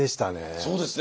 そうですね。